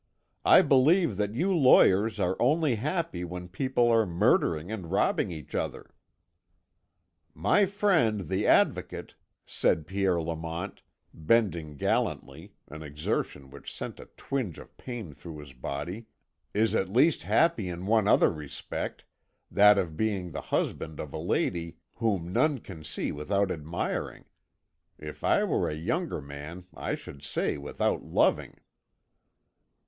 "I believe that you lawyers are only happy when people are murdering and robbing each other." "My friend the Advocate," said Pierre Lamont, bending gallantly, an exertion which sent a twinge of pain through his body, "is at least happy in one other respect that of being the husband of a lady whom none can see without admiring if I were a younger man I should say without loving."